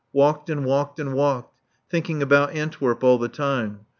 Walked and walked and walked, thinking about Antwerp all the time.